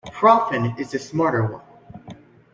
Proffen is the smarter one.